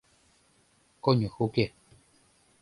Конюх уке.